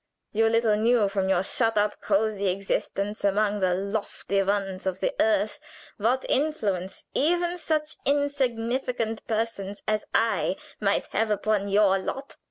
You little knew from your shut up, cossue existence among the lofty ones of the earth, what influence even such insignificant persons as I might have upon your lot.